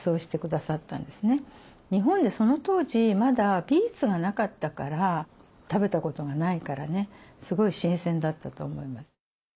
日本にその当時まだビーツがなかったから食べたことがないからねすごい新鮮だったと思います。